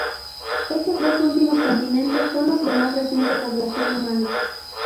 Estos dos últimos continentes son los de más reciente población humana.